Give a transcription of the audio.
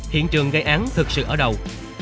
hiện trường gây án thực sự ở đâu